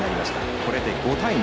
これで５対２。